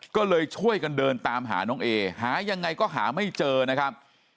ก็เลยช่วยกันเดินตามหาน้องเอหายังไงก็หาไม่เจอนะครับ